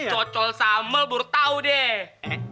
cocok sama burtau deh